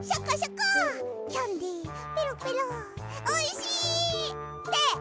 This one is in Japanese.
おいしい！って！